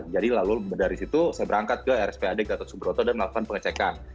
jadi lalu dari situ saya berangkat ke rspad gatot subroto dan melakukan pengecekan